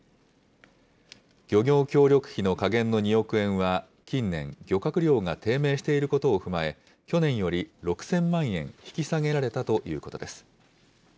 漁業協力費の下限の２億円は、近年、漁獲量が低迷していることを踏まえ、去年より６０００万円引き下げられたということです。